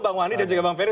bang wani dan bang ferry